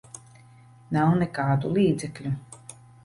Nav nekādu līdzekļu.